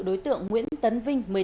để được hình sự đối tượng nguyễn tấn vinh